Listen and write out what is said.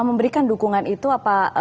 memberikan dukungan itu apa